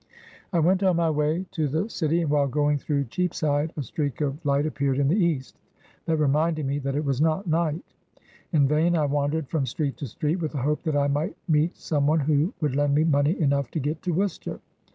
I went on my way to the city, and while going through Cheapside, a streak of light appeared in the east, that reminded me that it was not night. In vain I wandered from street to street, with the hope that I might meet some one who would lend me money enough to get to Worcester.